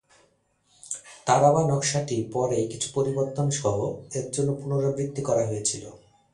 "তারাওয়া" নকশাটি পরে কিছু পরিবর্তনসহ -এর জন্য পুনরাবৃত্তি করা হয়েছিল।